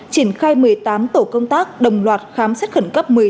triển khai một mươi tám tổ công tác đồng loạt khám xét khẩn cấp